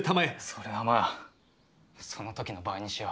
「それはまあその時の場合にしよう」。